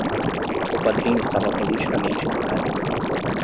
O quadrinho estava politicamente incorreto.